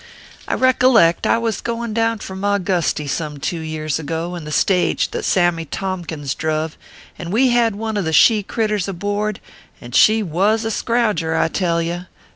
I recollect I was goin down from Augusty some two years ago, in the old stage that Sammy Tompkins druv, and we had one of the she critters aboard and she was a scrouger, I tell ye !